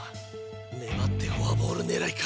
粘ってフォアボール狙いか！